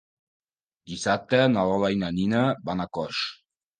Dissabte na Lola i na Nina van a Coix.